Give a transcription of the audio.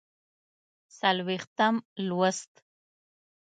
څلوېښتم لوست